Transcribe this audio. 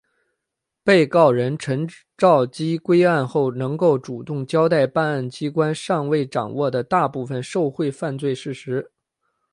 被告人陈绍基归案后能够主动交代办案机关尚未掌握的大部分受贿犯罪事实。